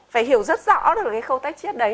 phải hiểu rất rõ được cái khâu tách chiết đấy